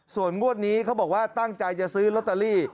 ส่วนงวดนี้เขาบอกว่าตั้งใจจะซื้อลอตเตอรี่